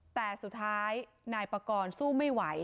แต่สุดท้ายนายปากรสู้ไม่ไหว